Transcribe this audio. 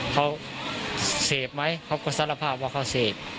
เขาเสพไหมเขาก็สารภาพว่าเขาเสพ